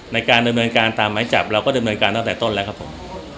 ในการดำเนินการตามหมายจับเราก็ดำเนินการตั้งแต่ต้นแล้วครับผม